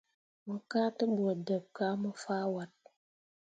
Mo kaa ne ɓu deb kah mo fah wat.